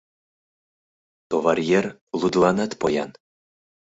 Товаръер лудыланат поян.